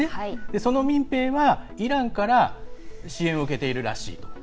その民兵は、イランから支援を受けているらしいと。